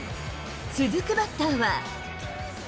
続くバッターは。